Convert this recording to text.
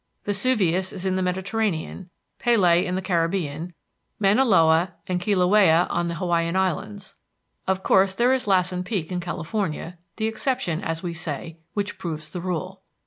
Vesuvius is in the Mediterranean, Pelee in the Caribbean, Mauna Loa and Kilauea on the Hawaiian Islands. Of course there is Lassen Peak in California the exception, as we say, which proves the rule.